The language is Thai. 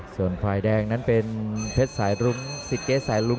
ส่วนฝ่ายแดงนั้นเป็นเพชรสายรุ้งสิเก๊สายลุ้